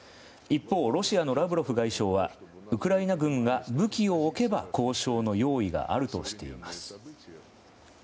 一方、ロシアのラブロフ外相はウクライナ軍が武器を置けば交渉の用意があるとしています。